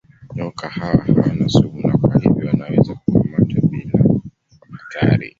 Nyoka hawa hawana sumu na kwa hivyo wanaweza kukamatwa bila hatari.